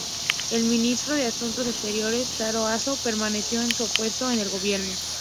El Ministro de Asuntos Exteriores Taro Aso permaneció en su puesto en el gobierno.